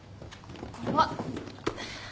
これは。